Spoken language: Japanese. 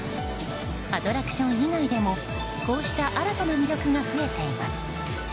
アトラクション以外でもこうした新たな魅力が増えています。